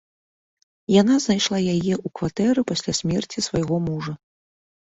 Яна знайшла яе ў кватэры пасля смерці свайго мужа.